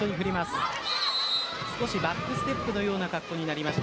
少しバックステップのような格好になりました。